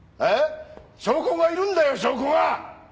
証拠がいるんだよ証拠が！